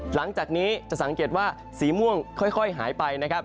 หลังจากนี้จะสังเกตว่าสีม่วงค่อยหายไปนะครับ